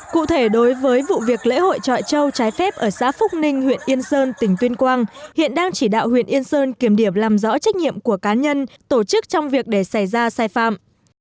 cụ thể đối với vụ việc lễ hội trọi châu trái phép ở xã phúc ninh huyện yên sơn tỉnh tuyên quang hiện đang chỉ đạo huyện yên sơn kiểm điểm làm rõ trách nhiệm của cá nhân tổ chức trong việc để xảy ra sai phạm